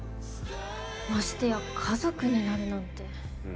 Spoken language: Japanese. ましてや家族になるなんて。